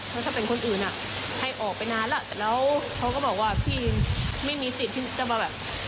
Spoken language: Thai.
ถ้าเป็นคนอื่นอ่ะให้ออกไปนานแล้วแล้วเขาก็บอกว่าพี่ไม่มีสิทธิ์ที่จะมาแบบ